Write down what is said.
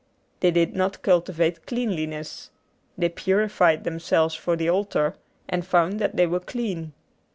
They did not cultivate cleanliness. They purified themselves for the altar, and found that they were clean.